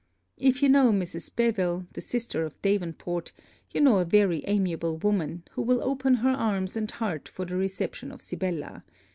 If you know Mrs. Beville, the sister of Davenport, you know a very amiable woman, who will open her arms and heart for the reception of Sibella.